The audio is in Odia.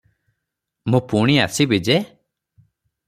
ମୁଁ ପୁଣି ଆସିବି ଯେ ।